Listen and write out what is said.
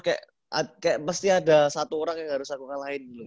kayak pasti ada satu orang yang harus aku kalahin